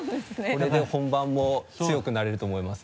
これで本番も強くなれると思います。